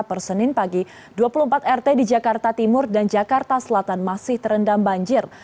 per senin pagi dua puluh empat rt di jakarta timur dan jakarta selatan masih terendam banjir